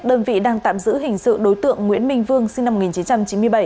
đơn vị đang tạm giữ hình sự đối tượng nguyễn minh vương sinh năm một nghìn chín trăm chín mươi bảy